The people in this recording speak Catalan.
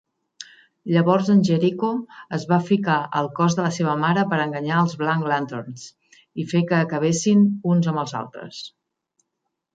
Llavors en Jericho es va ficar al cos de la seva mare per enganyar els Black Lanterns i fer que acabessin uns amb els altres.